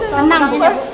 bu tenang bu